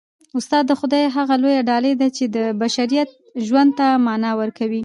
استاد د خدای هغه لویه ډالۍ ده چي د بشریت ژوند ته مانا ورکوي.